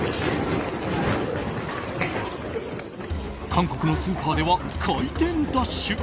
韓国のスーパーでは開店ダッシュ。